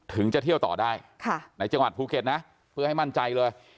จะเที่ยวต่อได้ในจังหวัดภูเก็ตนะเพื่อให้มั่นใจเลย